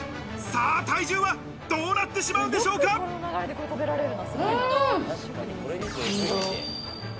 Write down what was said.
さあ体重はどうなってしまうんで感動。